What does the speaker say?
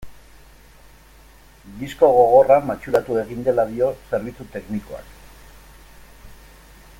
Disko gogorra matxuratu egin dela dio zerbitzu teknikoak.